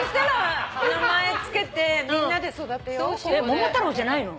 「桃太郎」じゃないの？